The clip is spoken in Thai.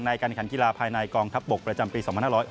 การขันกีฬาภายในกองทัพบกประจำปี๒๕๖๖